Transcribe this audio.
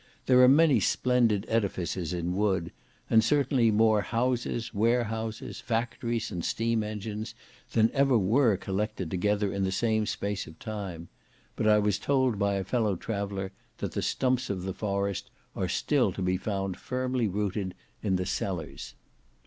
There are many splendid edifices in wood; and certainly more houses, warehouses, factories, and steam engines than ever were collected together in the same space of time; but I was told by a fellow traveller that the stumps of the forest are still to be found firmly rooted in the cellars.